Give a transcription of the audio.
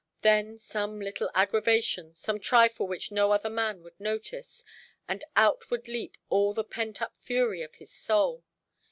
Then some little aggravation, some trifle which no other man would notice—and out would leap all the pent–up fury of his soul.